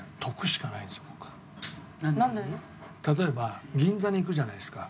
例えば銀座に行くじゃないですか。